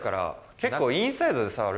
結構インサイドで触る？